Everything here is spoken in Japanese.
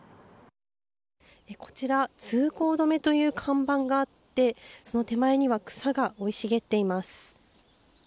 こちら通行止めという看板があってその手前には草が生い茂っています。